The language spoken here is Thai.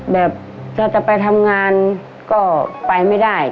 แบบถ้าจะไปทำงานก็ไปไม่ได้